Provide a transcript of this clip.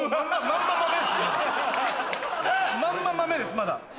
まんま豆ですまだ！